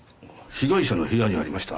被害者の部屋にありました。